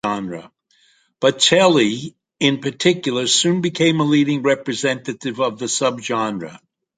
Bocelli, in particular, soon became a leading representative of the subgenre.